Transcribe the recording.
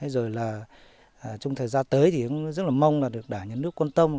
rồi là trong thời gian tới thì rất là mong là được đảm nhận nước quân tâm